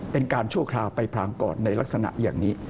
ชั่วคราวไปพรางก่อนในลักษณะอย่างนี้